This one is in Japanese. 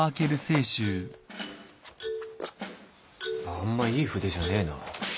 あんまいい筆じゃねえな。